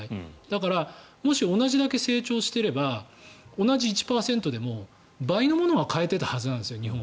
だからもし、同じだけ成長していれば同じ１％でも、日本は倍のものが買えてたはずなんです。